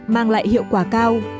mang lại hiệu quả cao